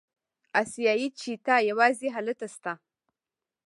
اسیایي چیتا یوازې هلته شته.